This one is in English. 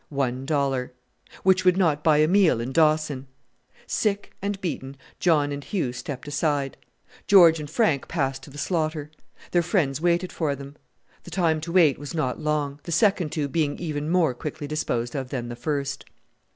"One dollar." "Which would not buy a meal in Dawson!" Sick and beaten, John and Hugh stepped aside; George and Frank passed to the slaughter. Their friends waited for them. The time to wait was not long the second two being even more quickly disposed of than the first.